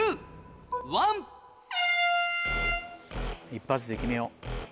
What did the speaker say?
一発で決めよう。